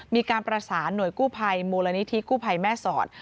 มีการประสานหน่วยกู้ภัยมูลนิธิกู้ภัยแม่สอด